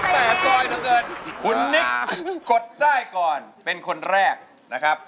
ซอยเหลือเกินคุณนิกกดได้ก่อนเป็นคนแรกนะครับ